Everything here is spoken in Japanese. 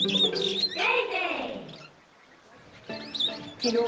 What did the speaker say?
きのう